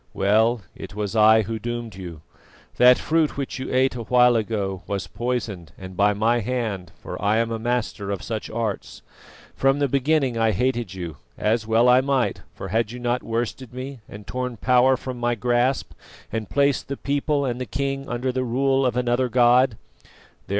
Well, it was I who doomed you. That fruit which you ate a while ago was poisoned, and by my hand, for I am a master of such arts. From the beginning I hated you, as well I might, for had you not worsted me and torn power from my grasp, and placed the people and the king under the rule of another God?